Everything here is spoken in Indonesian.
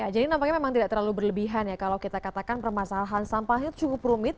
jadi nampaknya memang tidak terlalu berlebihan ya kalau kita katakan permasalahan sampah ini cukup rumit